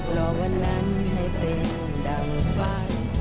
รอวันนั้นให้เป็นดังฟัง